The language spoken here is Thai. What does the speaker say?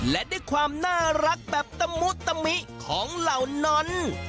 และด้วยความน่ารักแบบตะมุตมิของเหล่านั้น